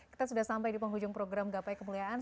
kita sudah sampai di penghujung program gapai kemuliaan